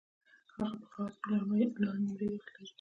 هغه په قرائت کي لوړي نمرې لري.